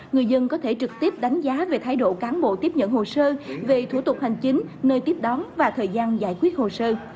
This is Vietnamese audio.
người dân có thể trực tiếp đánh giá về thái độ cán bộ tiếp nhận hồ sơ về thủ tục hành chính nơi tiếp đón và thời gian giải quyết hồ sơ